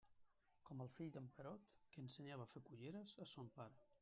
Com el fill d'en Perot, que ensenyava a fer culleres a son pare.